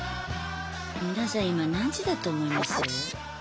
皆さん今何時だと思います？